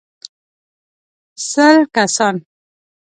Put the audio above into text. سل کسان.